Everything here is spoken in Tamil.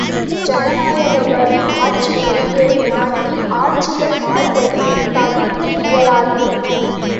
ஜனநாயக வழி ஆட்சி நடைபெறும் நாட்டில் ஆட்சிகள் மாறுவது தவிர்க்க இயலாதது!